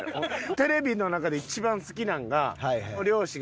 テレビの中で一番好きなんが。